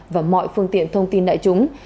và mọi phương tiện thông tin đại chúng